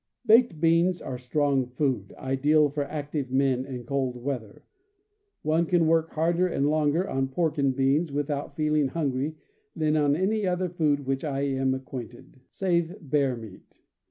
Baked beans are strong food, ideal for active men in cold weather. One can work harder and longer on pork and beans, without feeling hungry, than on any other food with which I am acquainted, save bear meat.